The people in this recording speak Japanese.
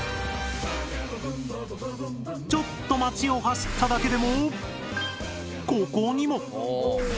ちょっと町を走っただけでもここにも。